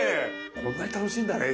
こんなに楽しいんだね